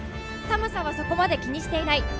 寒さはそこまで気にしていない。